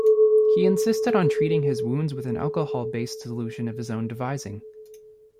He insisted on treating his wounds with an alcohol-based solution of his own devising.